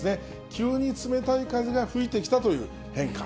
急に冷たい風が吹いてきたという変化。